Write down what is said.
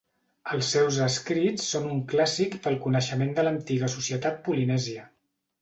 Els seus escrits són un clàssic pel coneixement de l'antiga societat polinèsia.